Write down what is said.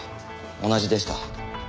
同じでした。